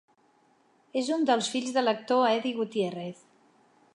És un dels fills de l'actor Eddie Gutiérrez.